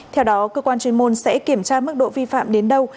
theo đó cơ quan chuyên môn sẽ kiểm tra mức độ vi phạm đến đâu